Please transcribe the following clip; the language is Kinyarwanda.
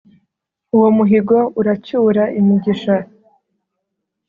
uwo muhigo uracyura imigisha